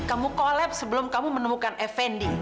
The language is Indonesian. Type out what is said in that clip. kamu kolaps sebelum kamu menemukan fnd